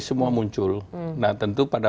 semua muncul nah tentu pada